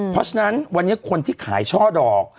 เพราะฉะนั้นวันนี้คนที่ขายช่อดอก